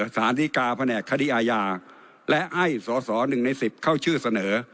ศาสตร์ธิกาพนักคดีอาญาและไอ้สอสอหนึ่งในสิบเข้าชื่อเสนอ